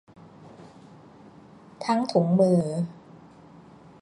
ทั้งถุงมือ